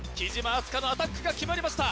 明日香のアタックが決まりました